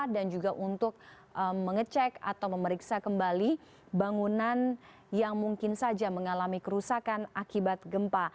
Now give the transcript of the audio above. dan juga untuk mengecek atau memeriksa kembali bangunan yang mungkin saja mengalami tsunami